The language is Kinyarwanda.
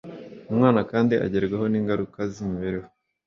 Umwana kandi agerwaho ningaruka zimibereho